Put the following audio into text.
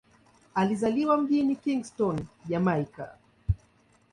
Alizaliwa mjini Kingston, Jamaika.